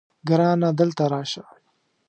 ګرانه دلته راشه